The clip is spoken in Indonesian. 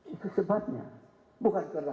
itu sebabnya bukan karena